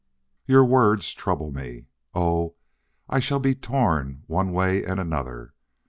"Your words trouble me. Oh, I shall be torn one way and another....